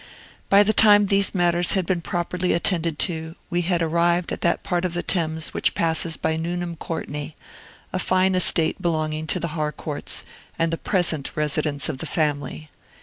By the time these matters had been properly attended to, we had arrived at that part of the Thames which passes by Nuneham Courtney, a fine estate belonging to the Harcourts, and the present residence of the family.